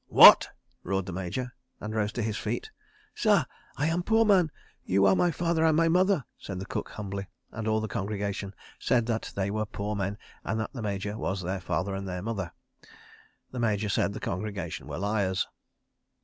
"What?" roared the Major, and rose to his feet. "Sah, I am a poor man. You are my father and my mother," said the cook humbly, and all the congregation said that they were poor men and that the Major was their father and their mother. The Major said that the congregation were liars.